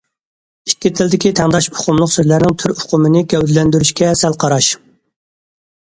ئىككى تىلدىكى تەڭداش ئۇقۇملۇق سۆزلەرنىڭ تۈر ئۇقۇمىنى گەۋدىلەندۈرۈشكە سەل قاراش.